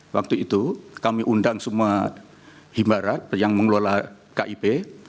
waktu itu kami undang semua himbarat yang mengelola kip